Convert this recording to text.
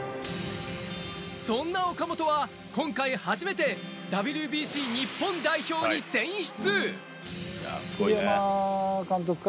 そんな岡本は、今回、初めてＷＢＣ日本代表に選出。